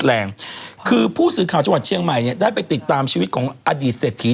แรงคือผู้สื่อข่าวจังหวัดเชียงใหม่เนี่ยได้ไปติดตามชีวิตของอดีตเศรษฐี